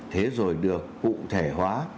thế rồi được cụ thể hóa